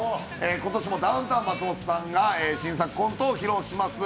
今年もダウンタウン・松本さんが新作コントを披露します。